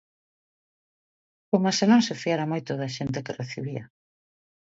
Coma se non se fiara moito da xente que recibía.